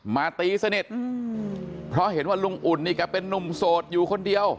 มาตีสนิทเพราะเห็นว่าลุงอุ่นนี่แกเป็นนุ่มโสดอยู่คนเดียว